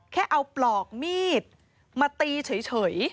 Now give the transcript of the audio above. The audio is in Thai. แค่เอาปลอกมีดมาตีเฉย